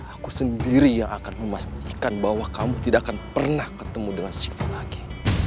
aku sendiri yang akan memastikan bahwa kamu tidak akan pernah ketemu dengan siapa lagi